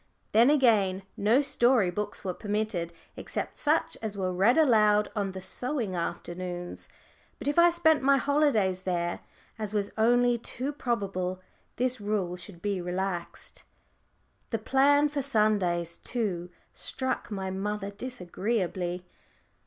Then, again, no story books were permitted, except such as were read aloud on the sewing afternoons. But if I spent my holidays there, as was only too probable, this rule should be relaxed. The plan for Sundays, too, struck my mother disagreeably.